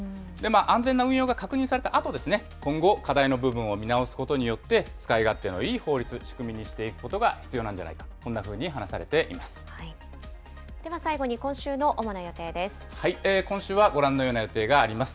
安全な運用が確認されたあと、今後、課題の部分を見直すことによって使い勝手のいい法律、仕組みにしていくことが必要なんじゃないか、こんなふうに話されていまでは最後に今週の主な予定で今週はご覧のような予定があります。